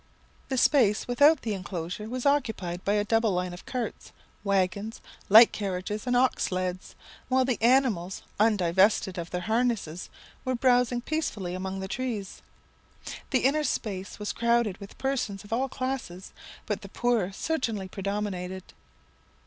"The space without the enclosure was occupied by a double line of carts, waggons, light carriages, and ox sleds, while the animals undivested of their harness were browsing peacefully among the trees. The inner space was crowded with persons of all classes, but the poorer certainly predominated.